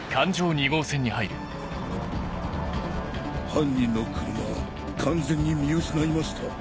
犯人の車完全に見失いました。